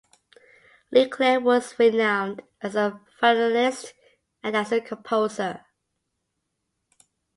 Leclair was renowned as a violinist and as a composer.